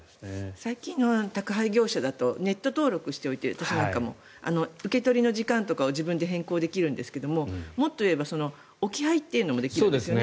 最近の宅配業者だとネット登録しておいて私なんかも受け取りの時間とかを自分で変更できるんですがもっと言えば置き配というのもできるんですね。